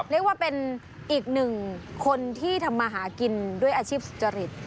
เรียกว่าเป็นอีกหนึ่งคนที่ทำมาหากินด้วยอาชีพสุจริต